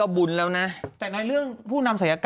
เออถูก